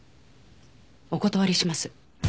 お断りします。